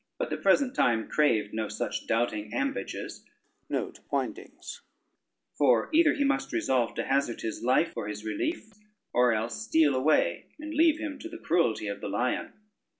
But the present time craved no such doubting ambages, for either he must resolve to hazard his life for his relief, or else steal away, and leave him to the cruelty of the lion.